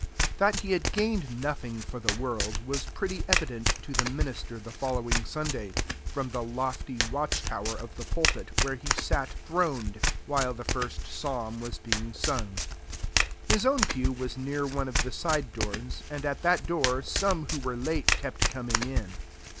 That he had gained nothing for the world was pretty evident to the minister the following Sunday from the lofty watchtower of the pulpit where he sat throned, while the first psalm was being sung. His own pew was near one of the side doors, and at that door some who were late kept coming in.